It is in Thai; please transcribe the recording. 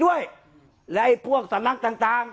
การแก้เคล็ดบางอย่างแค่นั้นเอง